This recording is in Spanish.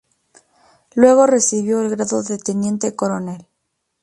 Luego recibió el grado de teniente coronel.